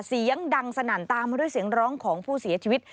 เสียงดังสนั่นตามมาด้วยเสียงร้องของผู้เสียชีวิต